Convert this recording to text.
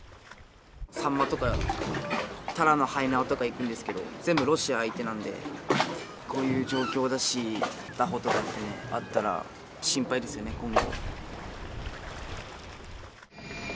サンマとかタラのはえなわとか行くんですけれども、全部ロシア相手なので、こういう状況だし、拿捕とかってあったら心配ですよね、今後。